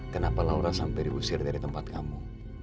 kenapa laura sampai diusir dari tempat kamu